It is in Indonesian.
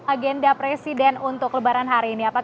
agenda presiden untuk lebaran hari ini